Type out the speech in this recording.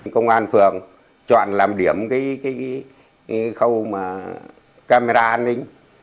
công an phường chọn làm điểm cái khâu camera an ninh